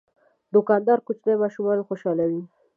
دوکاندار کوچني ماشومان خوشحالوي.